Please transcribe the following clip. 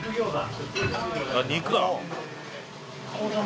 あっ肉だ！